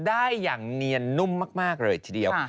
ได้อย่างเนียนนุ่มมากเลยทีเดียว